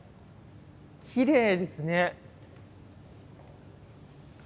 きれいですね。